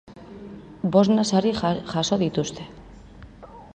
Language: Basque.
Bosna sari jaso dituzte.